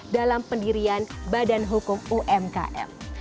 dalam pendirian badan hukum umkm